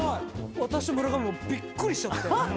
私と村上びっくりしちゃって。